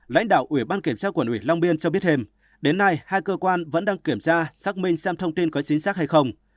lãnh đạo ủy ban kiểm tra quận ủy long biên cho biết thêm đến nay hai cơ quan vẫn đang kiểm tra xác minh xem thông tin có chính xác hay không